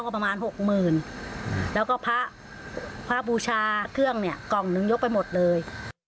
ภาพบูชาเครื่องเนี่ยกล่องหนึ่งยกไปหมดเลย